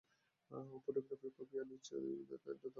ফোটোগ্রাফের copy আরো নিশ্চয় আছে, তাই দাদার মুখের দিকে চাইলে।